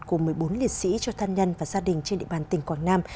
của một mươi bốn liệt sĩ cho thân nhân và gia đình trên địa bàn tỉnh quảng nam